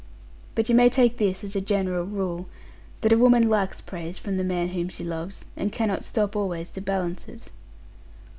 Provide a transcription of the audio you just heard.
But you may take this as a general rule, that a woman likes praise from the man whom she loves, and cannot stop always to balance it.